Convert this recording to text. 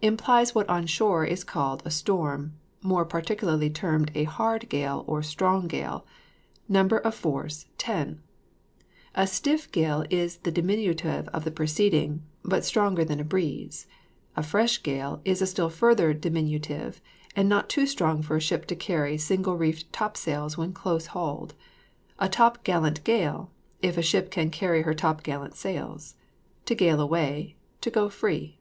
Implies what on shore is called a storm, more particularly termed a hard gale or strong gale; number of force, 10. A stiff gale is the diminutive of the preceding, but stronger than a breeze. A fresh gale is a still further diminutive, and not too strong for a ship to carry single reefed top sails when close hauled. A top gallant gale, if a ship can carry her top gallant sails. To gale away, to go free.